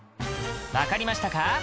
分かりましたか？